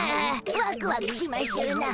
ワクワクしましゅな。